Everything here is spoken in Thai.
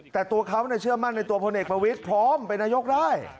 แต่ตัวเขาเชื่อมั่นในตัวพลเอกประวิทย์พร้อมเป็นนายกได้